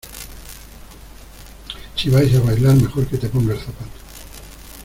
si vais a bailar, mejor que te pongas zapatos.